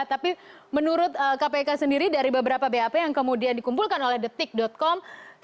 tapi menurut kpk sendiri dari beberapa bap yang kemudian dikumpulkan oleh detik com